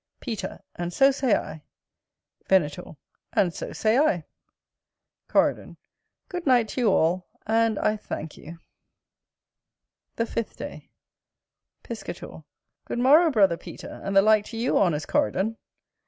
Peter. And so say I. Venator. And so say I. Coridon. Good night to you all; and I thank you. The FIFTH day. Piscator. Good morrow, brother Peter, and the like to you, honest Coridon.